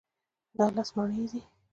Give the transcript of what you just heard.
دا لس مڼې دي.